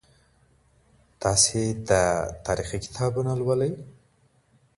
تاسي دا تاریخي کتابونه لولئ.